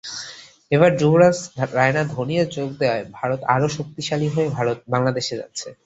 এবার যুবরাজ, রায়না, ধোনিও যোগ দেওয়ায় ভারত আরও শক্তিশালী হয়ে বাংলাদেশে যাচ্ছে।